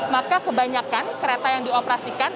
maka kebanyakan kereta yang dioperasikan